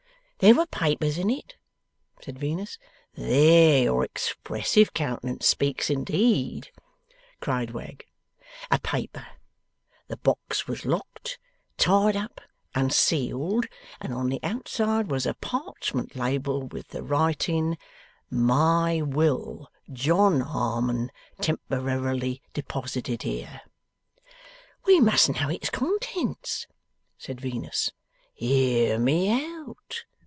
'There were papers in it,' said Venus. 'There your expressive countenance speaks indeed!' cried Wegg. 'A paper. The box was locked, tied up, and sealed, and on the outside was a parchment label, with the writing, "MY WILL, JOHN HARMON, TEMPORARILY DEPOSITED HERE."' 'We must know its contents,' said Venus. ' Hear me out!